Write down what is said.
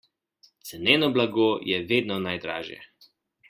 Ceneno blago je vedno najdražje.